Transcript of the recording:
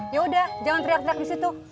yaudah jangan teriak teriak di situ